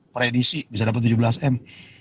per edisi bisa dapet tujuh belas m